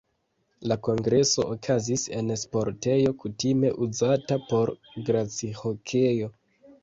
La kongreso okazis en sportejo, kutime uzata por glacihokeo.